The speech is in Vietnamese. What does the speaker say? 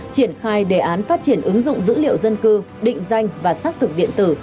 triển khai đề án phát triển ứng dụng dữ liệu dân cư định danh và xác thực điện tử